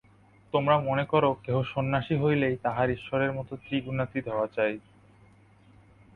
তোমরা মনে কর, কেহ সন্ন্যাসী হইলেই তাহার ঈশ্বরের মত ত্রিগুণাতীত হওয়া চাই।